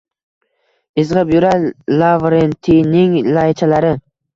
Izg’ib yurar Lavrentiyning laychalari.